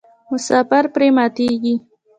مسافر پرې ماتیږي.